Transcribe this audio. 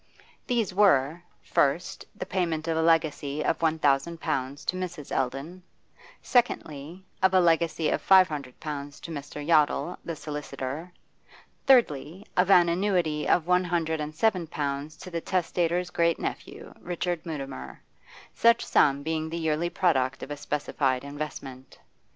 These were first, the payment of a legacy of one thousand pounds to Mrs. Eldon; secondly, of a legacy of five hundred pounds to Mr. Yottle, the solicitor; thirdly, of an annuity of one hundred and seven pounds to the testator's great nephew, Richard Mutimer, such sum being the yearly product of a specified investment.